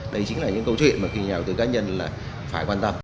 đấy chính là những câu chuyện mà nhà ủng tư cá nhân phải quan tâm